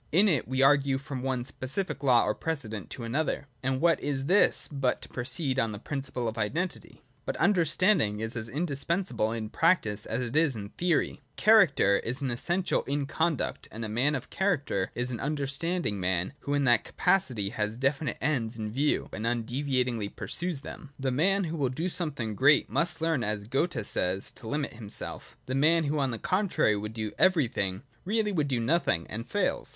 In it we argue from one specific law or precedent to another : and what is this but to proceed on the principle of identity ? But Understanding is as indispensable in practice as it is in theory. Character is an essential in conduct, and a man of character is an understanding man, who in that capacity has definite ends in view and undeviatingly pursues them. 8o.J LOGIC OF UNDERSTANDING. 145 The man who will do something great must learn, as Goethe i' says, to limit himself. The man who, on the contrary, would | do everything, really would do nothing, and fails.